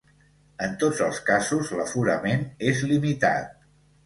En tots els casos, l’aforament és limitat.